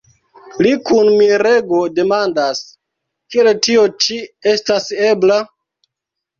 Li kun mirego demandas: « Kiel tio ĉi estas ebla?"